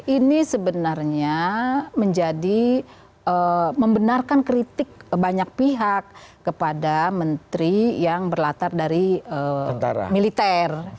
ini sebenarnya menjadi membenarkan kritik banyak pihak kepada menteri yang berlatar dari militer